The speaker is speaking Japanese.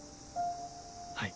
はい。